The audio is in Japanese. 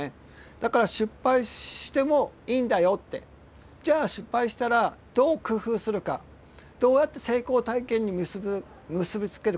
だから「失敗してもいいんだよ」って。じゃあ失敗したらどう工夫するかどうやって成功体験に結び付けるか。